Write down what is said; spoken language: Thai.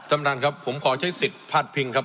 ท่านประธานครับผมขอใช้สิทธิ์พาดพิงครับ